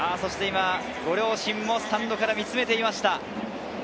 ご両親もスタンドから見つめていました。